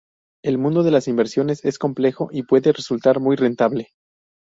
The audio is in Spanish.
El mundo de las inversiones es complejo, y puede resultar muy rentable.